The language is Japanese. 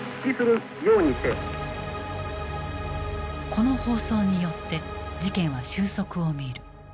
この放送によって事件は収束を見る。